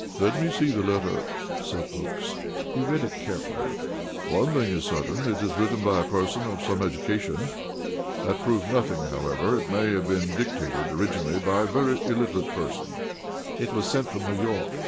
"Let me see the letter," said Oakes. He read it carefully. "One thing is certain it is written by a person of some education. That proves nothing, however. It may have been dictated originally by a very illiterate person." "It was sent from New York."